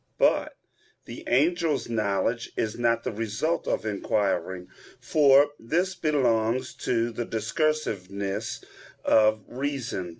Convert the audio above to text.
But the angels' knowledge is not the result of inquiring, for this belongs to the discursiveness of reason.